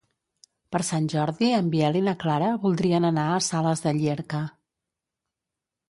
Per Sant Jordi en Biel i na Clara voldrien anar a Sales de Llierca.